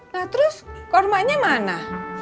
nah terus kormanya mana